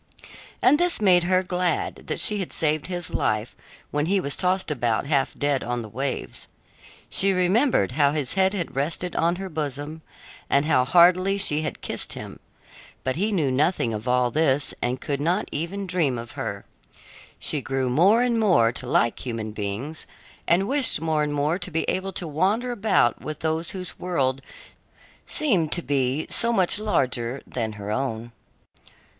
And this made her glad that she had saved his life when he was tossed about half dead on the waves. She remembered how his head had rested on her bosom and how heartily she had kissed him, but he knew nothing of all this and could not even dream of her. She grew more and more to like human beings and wished more and more to be able to wander about with those whose world seemed to be so much larger than her own.